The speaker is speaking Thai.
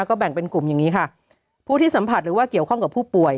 ก็แบ่งเป็นกลุ่มอย่างนี้ค่ะผู้ที่สัมผัสหรือว่าเกี่ยวข้องกับผู้ป่วย